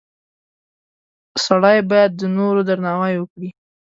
• سړی باید د نورو درناوی وکړي.